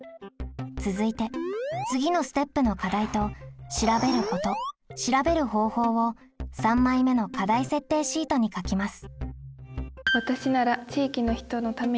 続いて次のステップの課題と「調べること」「調べる方法」を３枚目の課題設定シートに書きます。